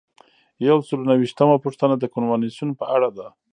یو سل او نهه ویشتمه پوښتنه د کنوانسیون په اړه ده.